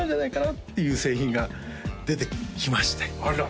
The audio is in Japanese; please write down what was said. っていう製品が出てきましてあら！